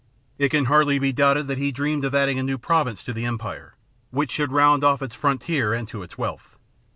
It can hardly be doubted that he, dreamed of adding a new province to the empire, which should round off its frontier and idd to its wealth.